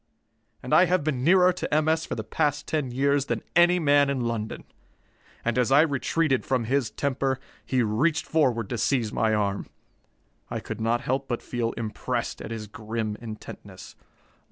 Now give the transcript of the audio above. And I have been nearer to M. S. for the past ten years than any man in London. And as I retreated from his temper, he reached forward to seize my arm. I could not help but feel impressed at his grim intentness.